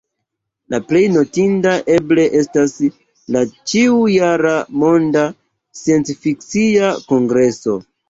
La plej notinda eble estas la ĉiu-jara Monda Sciencfikcia Kongreso.